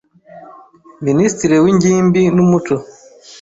Minisitiri w’Ingimbi n’umuco,